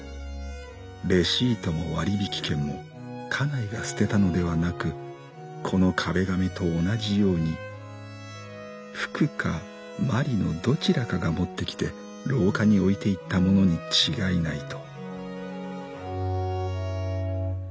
レシートも割引券も家内が捨てたのではなくこの壁紙と同じようにふくかまりのどちらかが持ってきて廊下に置いていったものに違いないと」。